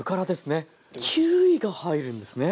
キウイが入るんですね。